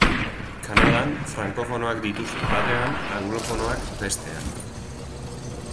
Kanadan, frankofonoak dituzu batean, anglofonoak bestean.